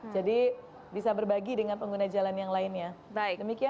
jadi bisa berbagi dengan pengguna jalan yang lainnya